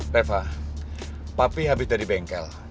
teva papi habis dari bengkel